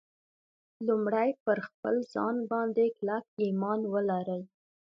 لومړی پر خپل ځان باندې کلک ایمان ولرئ